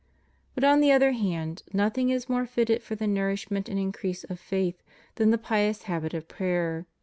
But, on the other hand, nothing is more fitted for the nourishment and increase of faith than the pious habit of prayer.